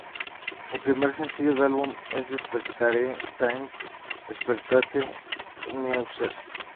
El primer sencillo del álbum es "Desperate Times, Desperate Measures".